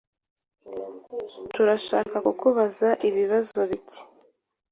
Turashaka kukubaza ibibazo bike.